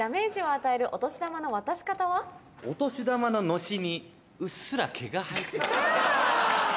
お年玉ののしにうっすら毛が生えてる。